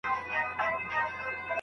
آیا مسوده تر بشپړي مقالې نیمګړې ده؟